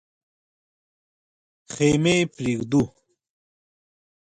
خېمې پرېږدو.